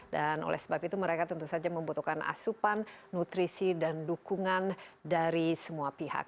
dan oleh sebab itu mereka tentu saja membutuhkan asupan nutrisi dan dukungan dari semua pihak